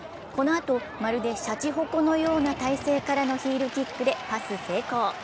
このあと、まるでしゃちほこのような体勢からのヒールキックでパス成功。